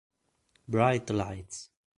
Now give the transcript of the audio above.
Bright Lights